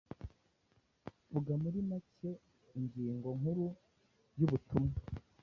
Vuga muri make ingingo nkuru yubutumwa